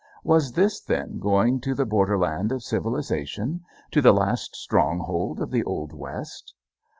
Was this, then, going to the borderland of civilization, to the last stronghold of the old West?